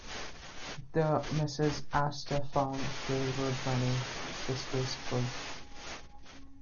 "The" Mrs. Astor found railroad money distasteful.